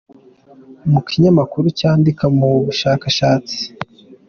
mu kinyamakuru cyandika ku bushakashatsi